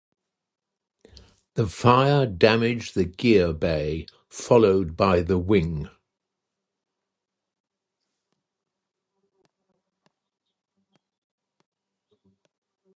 The fire damaged the gear bay, followed by the wing.